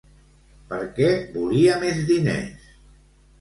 Per què volia més diners?